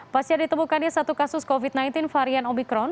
pasca ditemukannya satu kasus covid sembilan belas varian omikron